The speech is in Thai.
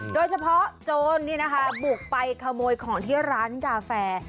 โจรนี่นะคะบุกไปขโมยของที่ร้านกาแฟ